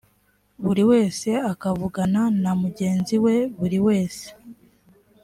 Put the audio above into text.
buri wese akavugana na mugenzi we buri wese